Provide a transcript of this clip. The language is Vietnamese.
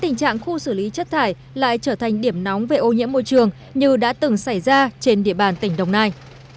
tình trạng khu xử lý chất thải lại trở thành điểm nóng về ô nhiễm môi trường như đã từng xảy ra trên địa bàn tỉnh đồng nai